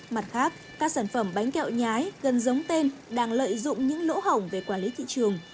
mặt khác các sản phẩm bánh kẹo nhái gần giống tên đang lợi dụng những lỗ hỏng về quản lý thị trường